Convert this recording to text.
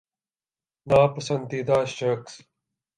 نا پسندیدہ شخص